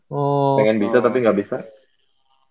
pengen bisa tapi gak bisa